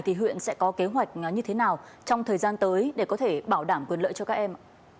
thì huyện sẽ có kế hoạch như thế nào trong thời gian tới để có thể bảo đảm quyền lợi cho các em ạ